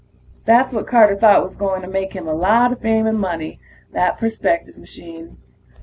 That's what Carter thought was going to make him a lot of fame and money, that perspective machine.